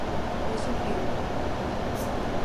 Listen Here!